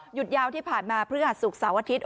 หยุดยาวที่ผ่านมาเพื่อสุขเสาร์อาทิตย์